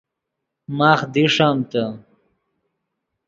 ماخ دیݰمتے